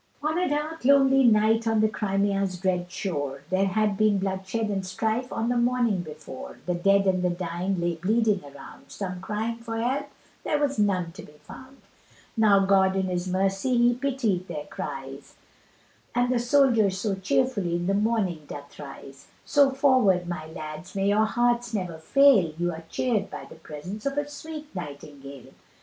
On a dark lonely night, on the Crimea's dread shore There had been bloodshed and strife on the morning before The dead and the dying lay bleeding around, Some crying for help there was none to be found. Now God in his mercy He pity'd their cries, And the soldier so cheerfully in the morning doth rise, So forward my lads, may your hearts never fail, You are cheered by the presence of a sweet Nightingale.